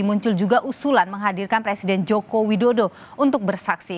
muncul juga usulan menghadirkan presiden joko widodo untuk bersaksi